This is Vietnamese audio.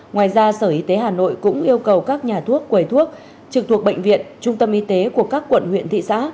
ngoài ra sở y tế hà nội cũng yêu cầu các nhà thuốc quầy thuốc trực thuộc bệnh viện trung tâm y tế của các quận huyện thị xã